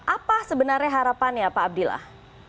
apa sebenarnya harapannya pak abdillah